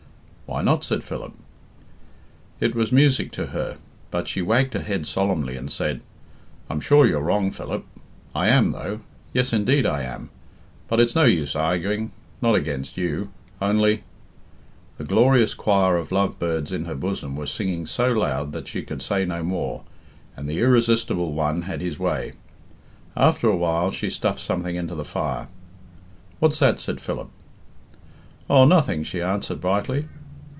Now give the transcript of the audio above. "Why not?" said Philip. It was music to her, but she wagged her head solemnly and said, "I'm sure you're wrong, Philip. I am, though. Yes, indeed I am. But it's no use arguing. Not against you. Only " The glorious choir of love birds in her bosom were singing so loud that she could say no more, and the irresistible one had his way. After a while, she stuffed something into the fire. "What's that?" said Philip. "Oh, nothing," she answered brightly.